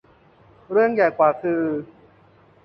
เรื่องใหญ่กว่าคือ